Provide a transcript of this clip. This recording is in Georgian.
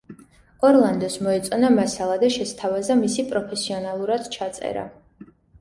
ორლანდოს მოეწონა მასალა და შესთავაზა მისი პროფესიონალურად ჩაწერა.